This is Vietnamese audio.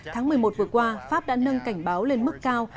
tháng một mươi một vừa qua pháp đã nâng cảnh báo lên mức cao